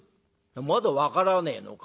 「まだ分からねえのか？